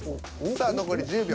さあ残り１０秒。